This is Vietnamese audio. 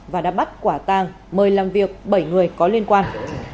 và đã bắt quả tàng mời làm việc bảy người có liên quan